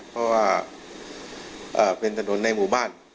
เพราะว่าเป็นถนนในหมู่บ้าน